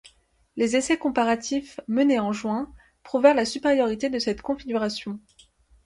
Les essais comparatifs menés en juin prouvèrent la supériorité de cette configuration.